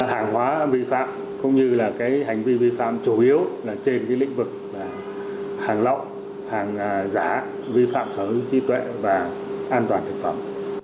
hàng hóa vi phạm cũng như hành vi vi phạm chủ yếu trên lĩnh vực hàng lọc hàng giả vi phạm sở sĩ tuệ và an toàn thực phẩm